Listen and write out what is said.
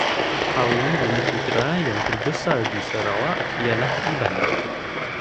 Kaum Bumiputera yang terbesar di Sarawak ialah Iban.